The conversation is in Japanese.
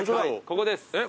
ここです。